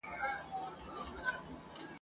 څنګه په دې مات وزر یاغي له خپل صیاد سمه ..